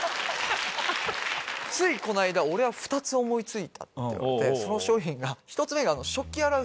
ついこないだ「俺は２つ思い付いた」って言われてその商品が１つ目が。